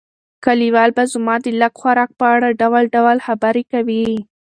کلیوال به زما د لږ خوراک په اړه ډول ډول خبرې کوي.